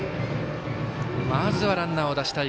まずはランナーを出したい。